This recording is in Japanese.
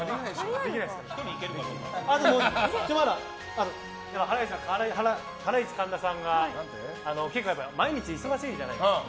そしてハライチ、神田さんが結構、毎日忙しいじゃないですか。